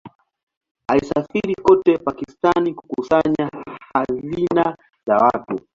Alisafiri kote Pakistan kukusanya hazina za watu.